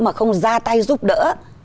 mà không ra tay giúp đỡ